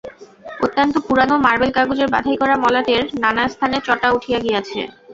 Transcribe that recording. অত্যন্ত পুরানো মার্বেল কাগজের বাধাই করা মলাটের নানাস্থানে চটা উঠিয়া গিয়াছে।